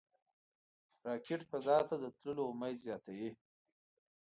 راکټ فضا ته د تللو امید زیاتوي